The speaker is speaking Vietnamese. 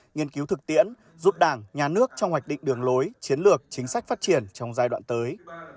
nghiên cứu thực tiễn giúp đảng nhà nước trong hoạch định đường lối chiến lược chính sách phát triển trong giai đoạn tới